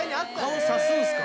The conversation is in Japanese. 顔さすんすか？